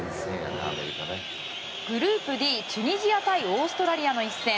グループＤ、チュニジア対オーストラリアの１戦。